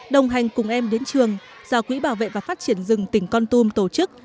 đồng hành cùng em đến trường do quỹ bảo vệ và phát triển rừng tình con tôm tổ chức